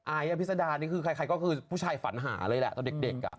อภิษดานี่คือใครก็คือผู้ชายฝันหาเลยแหละตอนเด็ก